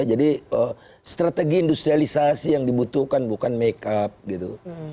jadi strategi industrialisasi yang dibutuhkan bukan make up gitu